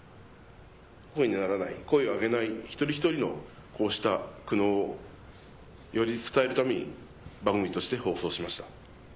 声にならない声を上げない一人一人のこうした苦悩をより伝えるために番組として放送しました。